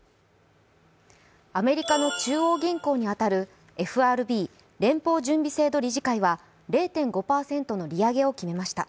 アメリカの中央銀行に当たるＦＲＢ＝連邦準備制度理事会は０．５％の利上げを決めました。